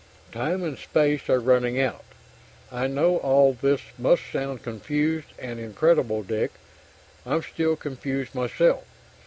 Time and space are running out. I know all this must sound confused and incredible, Dick; I'm still confused myself.